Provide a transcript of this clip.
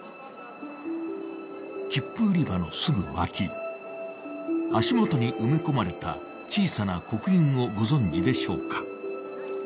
切符売り場のすぐ脇、足元に埋め込まれた小さな刻印をご存じでしょうか？